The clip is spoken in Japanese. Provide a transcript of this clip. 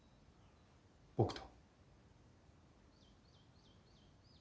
僕と。